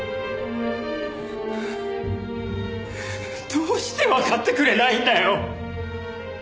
どうしてわかってくれないんだよ。